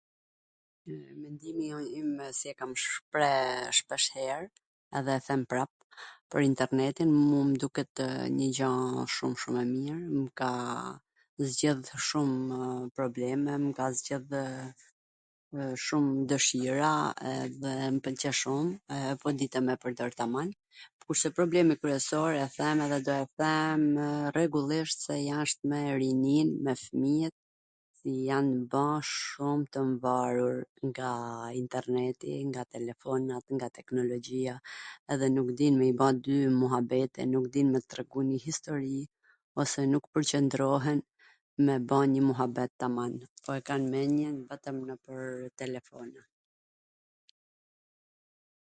Mendimi imw si e kam shpree shpeshher dhe e them prap pwr internetin, mu m duketw njw gja shum shum e mir, kaa zgjidh shumw probleme, ka zgjidh edhe shum dwshira edhe mw pwlqe shum po e dite me e pwrdor taman, kurse problemi kryesor e them e do e them rregullisht se asht me rinin me fmijwt, jan ba shum tw varur nga interneti, nga telefonat, nga teknologjia, dhe nuk din me i ba dy muhabete, nuk din me tregu nj histori, ose nuk pwrqwndrohen me ba njw muhabet taman, po e kan men-jen vetwm nwpwrw telefona.